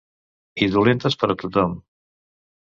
I dolentes per a tothom.